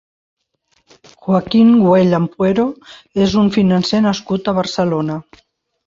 Joaquín Güell Ampuero és un financer nascut a Barcelona.